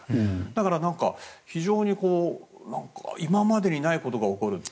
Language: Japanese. だから、非常に今までにないことが起こる。